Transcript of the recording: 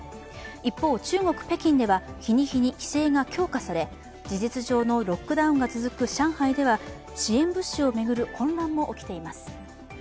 一方、中国・北京では日に日に、規制が強化され事実上のロックダウンが続く上海では支援物資を巡る混乱も起きています。